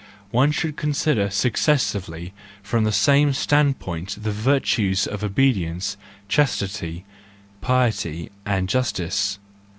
One should consider successively from the same standpoint the virtues of obedience, chastity, piety, and justice.